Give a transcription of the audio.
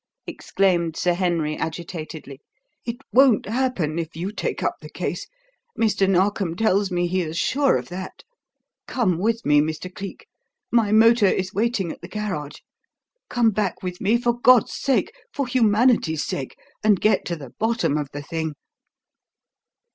exclaimed Sir Henry agitatedly. "It won't happen if you take up the case; Mr. Narkom tells me he is sure of that. Come with me, Mr. Cleek. My motor is waiting at the garage. Come back with me, for God's sake for humanity's sake and get to the bottom of the thing."